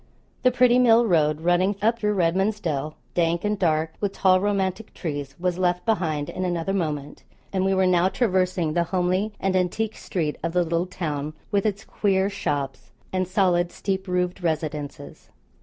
The pretty mill road, running up through Redman's Dell, dank and dark with tall romantic trees, was left behind in another moment; and we were now traversing the homely and antique street of the little town, with its queer shops and solid steep roofed residences.